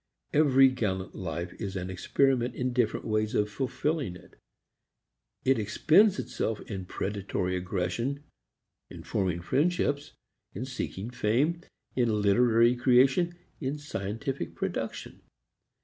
Every gallant life is an experiment in different ways of fulfilling it. It expends itself in predatory aggression, in forming friendships, in seeking fame, in literary creation, in scientific production.